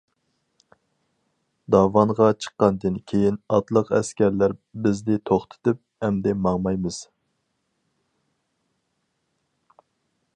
داۋانغا چىققاندىن كېيىن ئاتلىق ئەسكەرلەر بىزنى توختىتىپ: ئەمدى ماڭمايمىز!